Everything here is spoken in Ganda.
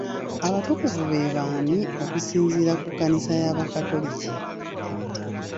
Abatukuvu be baani okusinziira ku kkanisa y'abakatoliki?